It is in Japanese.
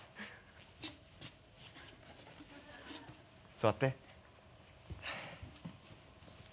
座って。